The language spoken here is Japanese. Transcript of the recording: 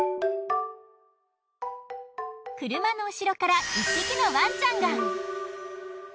車の後ろから１匹のワンちゃんが。